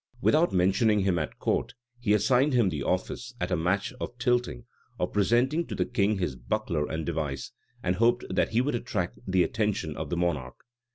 Without mentioning him at court, he assigned him the office, at a match of tilting, of presenting to the king his buckler and device; and hoped that he would attract the attention of the monarch.